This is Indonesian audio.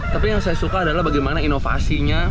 tapi yang saya suka adalah bagaimana inovasinya